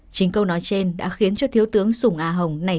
chính câu nói trên đã khiến cho thiếu tướng sùng a hồng này